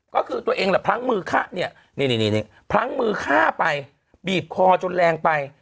ก็คือตัวเองแหละพลั้งมือฆ่าเนี่ยนี่พลั้งมือฆ่าไปบีบคอจนแรงไป